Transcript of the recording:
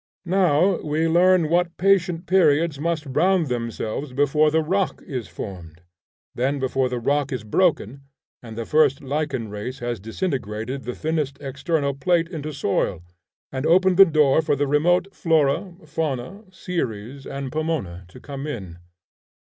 Now we learn what patient periods must round themselves before the rock is formed; then before the rock is broken, and the first lichen race has disintegrated the thinnest external plate into soil, and opened the door for the remote Flora, Fauna, Ceres, and Pomona to come in.